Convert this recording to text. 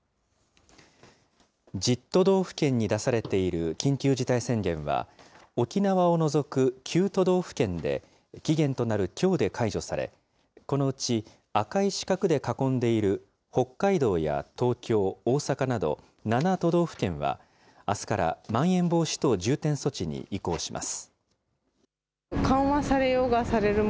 １０都道府県に出されている緊急事態宣言は、沖縄を除く９都道府県で、期限となるきょうで解除され、このうち赤い四角で囲んでいる北海道や東京、大阪など７都道府県は、あすからまん延防止等重点措置に移行します。